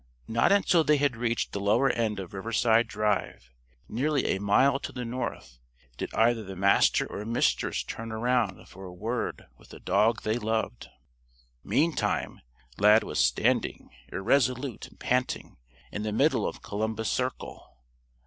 Not until they had reached the lower end of Riverside Drive, nearly a mile to the north, did either the Master or Mistress turn around for a word with the dog they loved. Meantime, Lad was standing, irresolute and panting, in the middle of Columbus Circle.